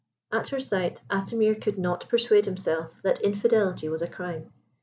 At her sight, Atimir could not persuade himself that infidelity was a crime.